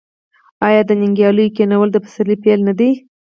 آیا د نیالګیو کینول د پسرلي پیل نه دی؟